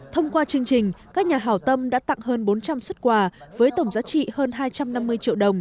thông qua chương trình các nhà hào tâm đã tặng hơn bốn trăm linh xuất quà với tổng giá trị hơn hai trăm năm mươi triệu đồng